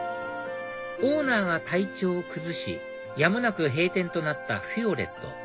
オーナーが体調を崩しやむなく閉店となったフィオレット